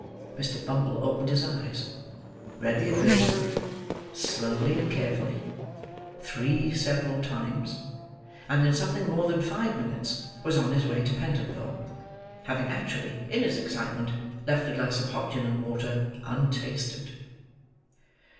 Mr. Bumble opened his eyes; read the advertisement, slowly and carefully, three several times; and in something more than five minutes was on his way to Pentonville: having actually, in his excitement, left the glass of hot gin and water, untasted.